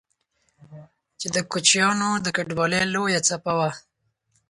چې د کوچيانو د کډوالۍ لويه څپه وه